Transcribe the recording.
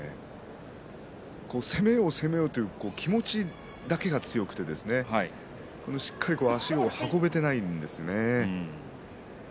攻めよう攻めようという気持ちだけが強くてしっかりと足を運べていないんですね。